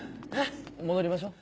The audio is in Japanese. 戻りましょ。